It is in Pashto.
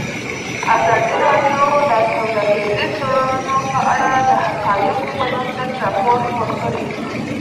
ازادي راډیو د سوداګریز تړونونه په اړه د حقایقو پر بنسټ راپور خپور کړی.